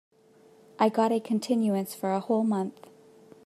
I got a continuance for a whole month.